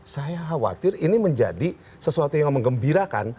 saya khawatir ini menjadi sesuatu yang mengembirakan